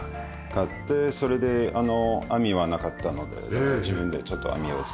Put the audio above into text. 買ってそれで網はなかったので自分でちょっと網を付けて。